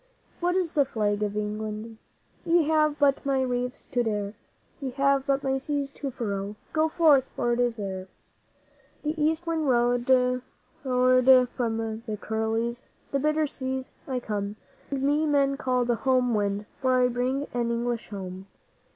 What is the Flag of England? Ye have but my reefs to dare, Ye have but my seas to furrow. Go forth, for it is there! The East Wind roared: 'From the Kuriles, the Bitter Seas, I come, And me men call the Home Wind, for I bring the English home.